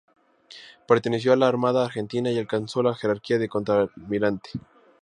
Perteneció a la Armada Argentina y alcanzó la jerarquía de Contralmirante.